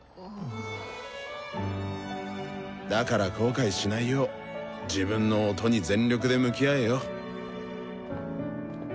だから後悔しないよう自分の「音」に全力で向き合えよ！